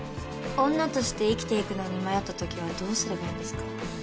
女として生きていくのに迷ったときはどうすればいいんですか？